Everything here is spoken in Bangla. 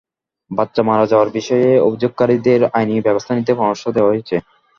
বাচ্চা মারা যাওয়ার বিষয়ে অভিযোগকারীদের আইনি ব্যবস্থা নিতে পরামর্শ দেওয়া হয়েছে।